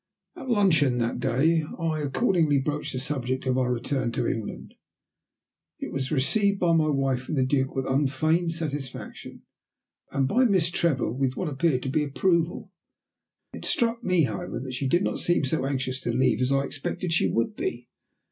At luncheon that day I accordingly broached the subject of our return to England. It was received by my wife and the Duke with unfeigned satisfaction, and by Miss Trevor with what appeared to be approval. It struck me, however, that she did not seem so anxious to leave as I expected she would be.